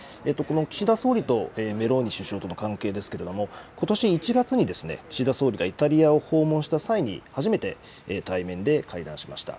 岸田総理とメローニ首相との関係ですけれども、ことし１月に岸田総理がイタリアを訪問した際に初めて対面で会談しました。